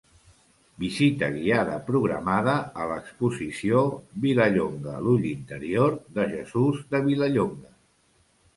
Visita guiada programada a l'exposició "Vilallonga, l'ull interior" de Jesús de Vilallonga.